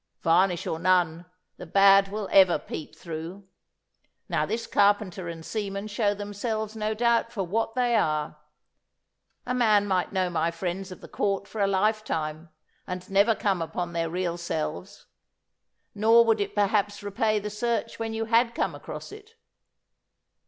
Varnish or none, the bad will ever peep through. Now this carpenter and seaman show themselves no doubt for what they are. A man might know my friends of the court for a lifetime, and never come upon their real selves, nor would it perhaps repay the search when you had come across it.